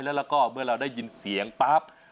แล้วก็เมื่อเราได้ยินเสียงปั๊บ